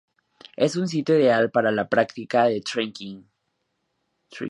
Es un sitio ideal para la práctica de trekking.